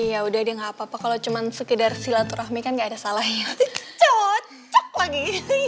ya udah nggak apa apa kalau cuman sekedar silaturahmi kan nggak ada salahnya cocok lagi